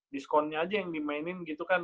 diskonnya aja yang dimainin gitu kan